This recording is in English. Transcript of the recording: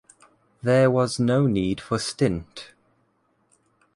There was no need for stint.